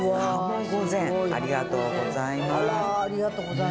あらありがとうございます。